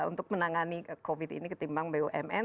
untuk menangani covid sembilan belas ini ketimbang bumn